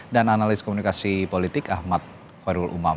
dan analis komunikasi politik ahmad farul umam